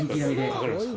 かかります。